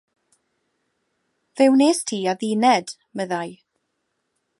“Fe wnes di adduned,” meddai.